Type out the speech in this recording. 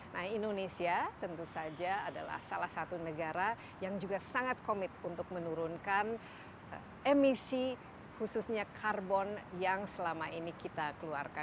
nah indonesia tentu saja adalah salah satu negara yang juga sangat komit untuk menurunkan emisi khususnya karbon yang selama ini kita keluarkan